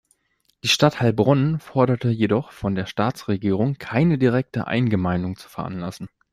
Die Stadt Heilbronn forderte jedoch von der Staatsregierung, keine direkte Eingemeindung zu veranlassen.